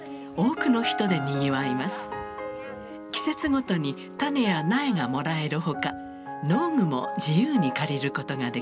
季節ごとに種や苗がもらえるほか農具も自由に借りることができます。